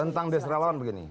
tentang desralon begini